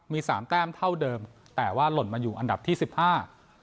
มีสามแต้มเท่าเดิมแต่ว่าหล่นมาอยู่อันดับที่สิบห้า